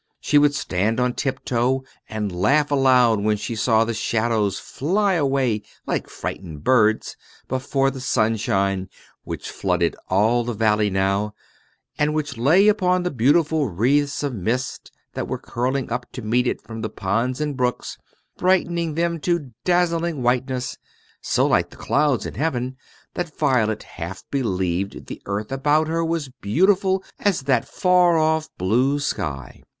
She would stand on tiptoe, and laugh aloud when she saw the shadows fly away, like frightened birds, before the sunshine, which flooded all the valley now, and which lay upon the beautiful wreaths of mist that went curling up to meet it from the ponds and brooks, brightening them to dazzling whiteness so like the clouds in heaven that Violet half believed the earth about her was beautiful as that far off blue sky.